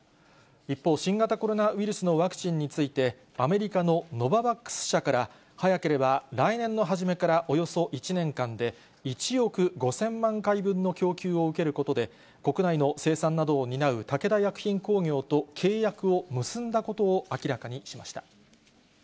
一方、新型コロナウイルスのワクチンについて、アメリカのノババックス社から、早ければ来年の初めからおよそ１年間で、１億５０００万回分の供給を受けることで、国内の生産などを担う武田薬品工業と契約を結んだことを明らかにしました。